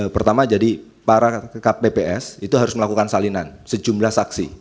pertama jadi para kpps itu harus melakukan salinan sejumlah saksi